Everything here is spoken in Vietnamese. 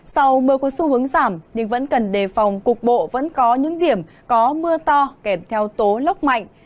sau mưa có xu hướng giảm nhưng vẫn cần đề phòng cục bộ vẫn có những điểm có mưa to kèm theo tố lốc mạnh